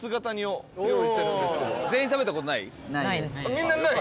みんなない？